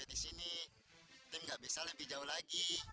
kita disini tim tidak bisa lebih jauh lagi